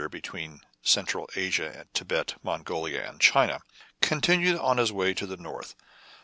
129 centre between Central Asia, Thibet, Mongolia, and China, continued on his way to the North.